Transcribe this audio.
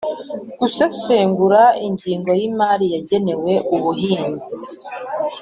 gusesengura ingengo y'imari yagenewe ubuhinzi